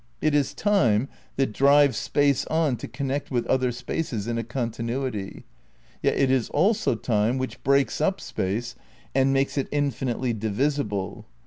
It is Time that drives Space on to connect with other spaces in a continuity, yet it is also Time which breaks up Space and makes it infi nitely divisible.